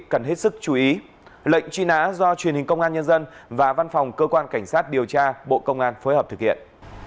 cơ quan cảnh sát điều tra bộ công an phối hợp thực hiện